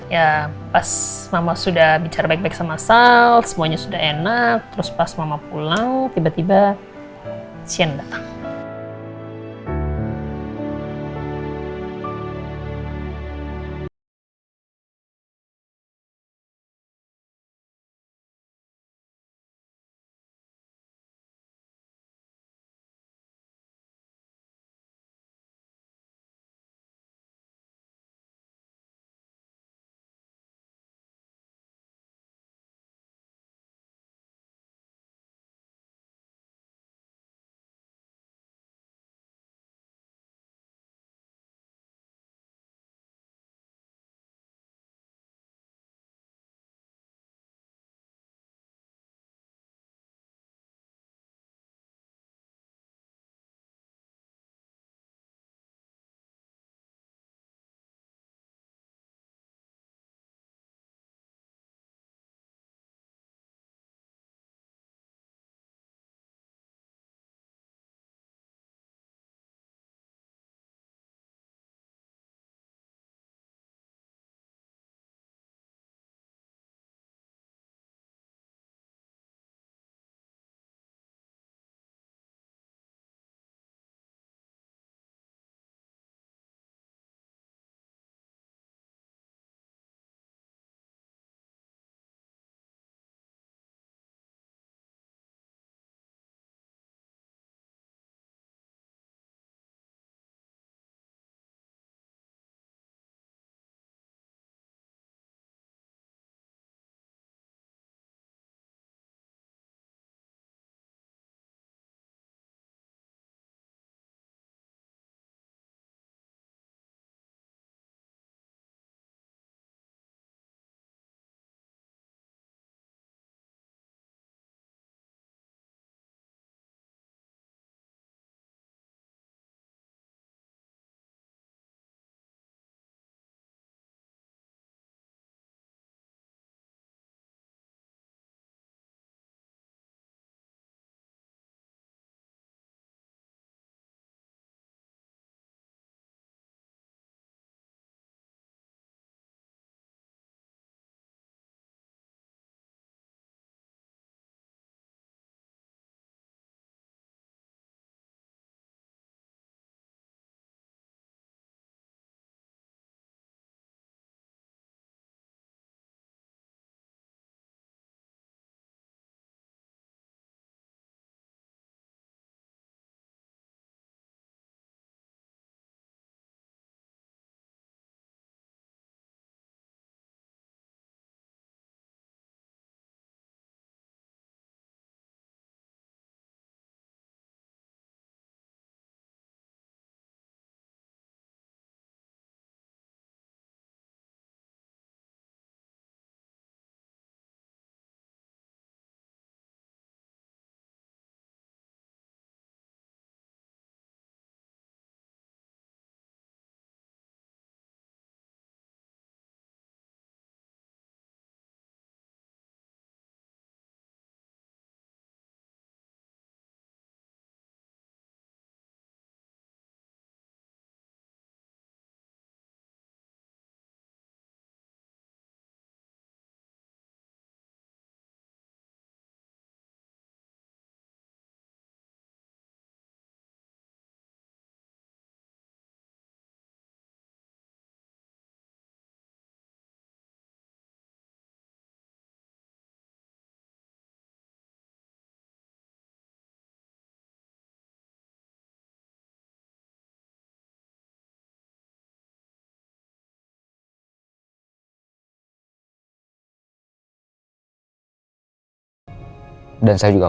ya pas mama sudah bicara baik baik sama sal semuanya sudah enak terus pas mama pulang tiba tiba sienna datang